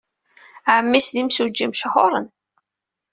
Ɛemmi-s d imsujji mechuṛen.